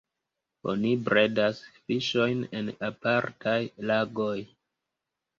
Oni bredas fiŝojn en apartaj lagoj.